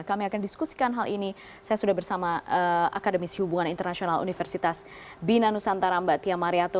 kami akan diskusikan hal ini saya sudah bersama akademisi hubungan internasional universitas bina nusantara mbak tia mariato